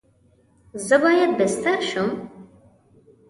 زه باید بیستر سم؟